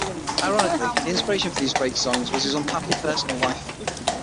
Ironically, the inspiration for these great songs was his unhappy personal life.